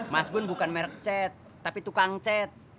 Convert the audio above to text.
mas gun bukan merek cat tapi tukang cat